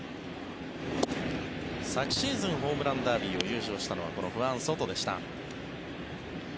昨シーズンホームランダービーを優勝したのはこのフアン・ソトでした。